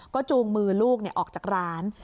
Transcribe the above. ก็จูงมือลูกออกจากร้าน